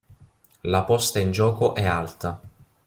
La posta in gioco è alta.